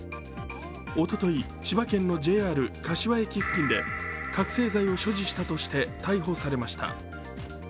おととい、千葉県のＪＲ柏駅付近で覚醒剤を所持したとして逮捕されました。